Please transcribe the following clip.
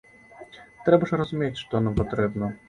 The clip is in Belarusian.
Трэба ж разумець, што нам патрэбна.